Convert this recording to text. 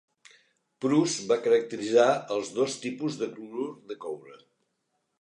Proust va caracteritzar els dos tipus de clorur de coure.